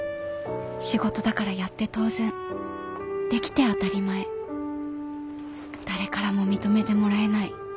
仕事だからやって当然できて当たり前誰からも認めてもらえない。